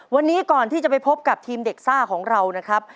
วันนี้ก่อนที่จะไปพบกับทีมเด็กซ่าของเรานะครับ